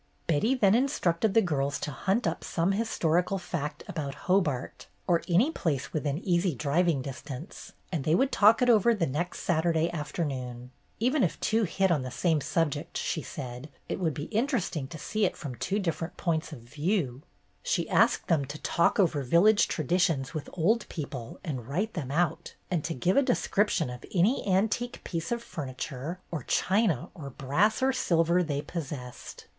Betty then instructed the girls to hunt up some historical fact about Hobart, or any place within easy driving distance, and they would talk it over the next Saturday after noon. Even if two hit on the same subject, she said, it would be interesting to see it from A CITY HISTORY CLUB 187 two different points of view. She asked them to talk over village traditions with old people and write them out, and to give a description of any antique piece of furniture or china or brass or silver they possessed.